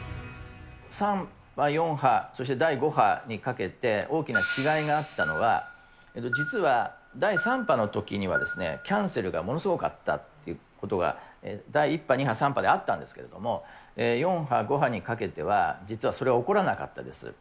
３波、４波、そして第５波にかけて、大きな違いがあったのは、実は第３波のときには、キャンセルがものすごかったということが、第１波、２波、３波であったんですけども、４波、５波にかけては、実はそれは起こらなかったです。